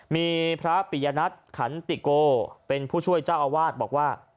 มีพระปิยนัทขันติโกเป็นผู้ช่วยเจ้าอาวาสบอกว่า